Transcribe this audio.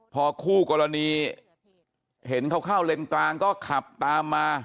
พอคู่กรณีเห็นเขาเข้าเลนกลางก็ขับตามมา